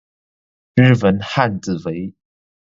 日文汉字为。